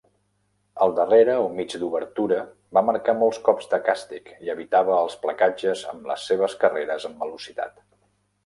El darrere o mig d'obertura va marcar molts cops de càstig i evitava els placatges amb les seves carreres en velocitat.